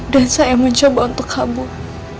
dan saya mencoba untuk kabur